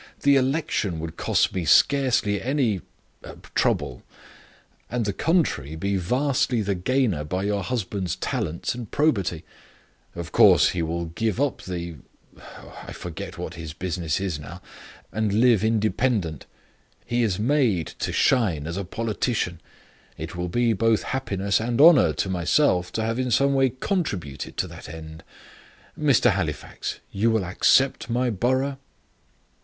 The election would cost me scarcely any trouble; and the country be vastly the gainer by your husband's talents and probity. Of course he will give up the I forget what is his business now and live independent. He is made to shine as a politician: it will be both happiness and honour to myself to have in some way contributed to that end. Mr. Halifax, you will accept my borough?"